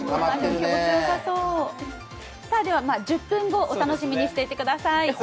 １０分後、お楽しみにしててください。